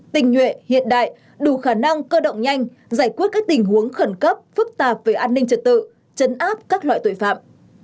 tinh nhuệ hiện đại đủ khả năng cơ động nhanh giải quyết các tình huống khẩn cấp phức tạp về an ninh trật tự chấn áp các loại tội phạm